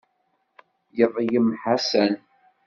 Yeḍlem Ḥasan.